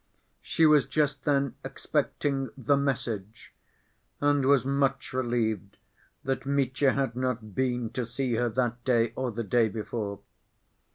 She was just then expecting the "message," and was much relieved that Mitya had not been to see her that day or the day before.